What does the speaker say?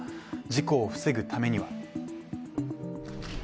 事故を防ぐためには。